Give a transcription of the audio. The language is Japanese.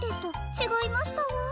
ちがいましたわ。